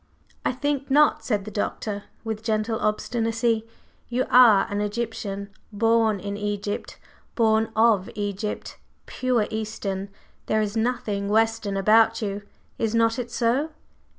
"I think not," said the Doctor, with gentle obstinacy. "You are an Egyptian. Born in Egypt; born of Egypt. Pure Eastern! There is nothing Western about you. Is not it so?"